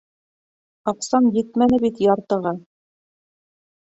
Аҡсаң етмәне бит яртыға!